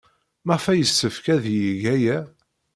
Maɣef ay yessefk ad yeg aya?